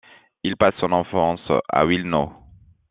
Il passe son enfance à Wilno.